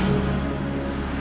kiri rumah sakit